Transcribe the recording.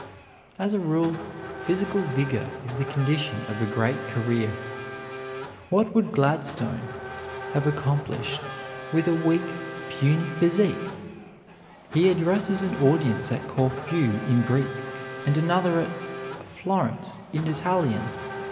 As a rule, physical vigor is the condition of a great career. What would Gladstone have accomplished with a weak, puny physique? He addresses an audience at Corfu in Greek, and another at Florence in Italian.